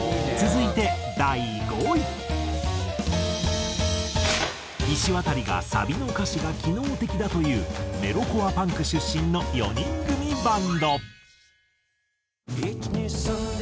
いしわたりがサビの歌詞が機能的だと言うメロコア・パンク出身の４人組バンド。